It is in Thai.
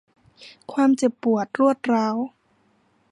ความเจ็บปวดรวดร้าว